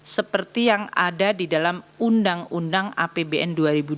seperti yang ada di dalam undang undang apbn dua ribu dua puluh